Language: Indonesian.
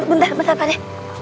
bentar bentar pak ya